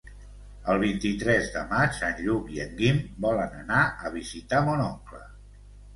El vint-i-tres de maig en Lluc i en Guim volen anar a visitar mon oncle.